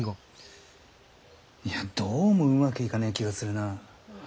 いやどうもうまくいかねぇ気がするなぁ。